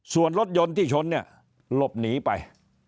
ส่วนรถยนต์ที่ชนลบหนีไป